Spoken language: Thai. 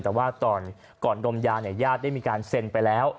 แต่ว่าก่อนดมยาเนี่ยญาติได้มีการเซ็นไปแล้ว